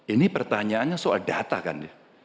ini pertanyaannya soal data kan ya